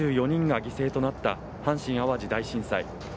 ６４３４人が犠牲となった阪神・淡路大震災。